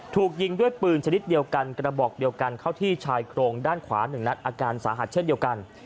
ถูกยิงด้วยปืนชนิดเดียวกันกระบอกเดียวกันเข้าที่ชายโครงด้านขวา๑นัดอาการสาหัสเช่นเดียวกัน